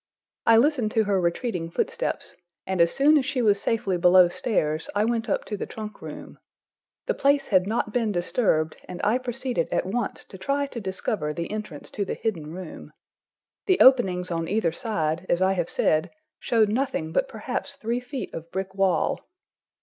I listened to her retreating footsteps, and as soon as she was safely below stairs, I went up to the trunk room. The place had not been disturbed, and I proceeded at once to try to discover the entrance to the hidden room. The openings on either side, as I have said, showed nothing but perhaps three feet of brick wall.